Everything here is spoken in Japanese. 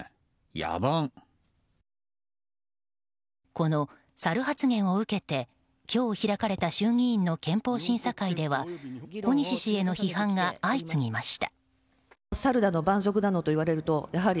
このサル発言を受けて今日開かれた衆議院の憲法審査会では小西氏への批判が相次ぎました。